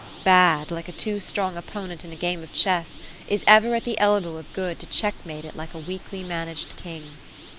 Bad, like a too strong opponent in a game of chess, is ever at the elbow of good to checkmate it like a weakly managed king.